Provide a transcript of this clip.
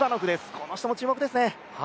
この人も注目ですね。